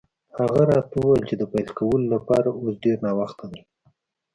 هغه راته وویل چې د پیل کولو لپاره اوس ډېر ناوخته دی.